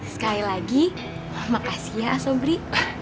sekali lagi makasih ya aso beri